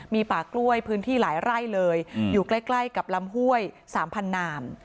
มีป่ากล้วยพื้นที่หลายไร่เลยอยู่ใกล้กับลำห้วย๓๐๐นาม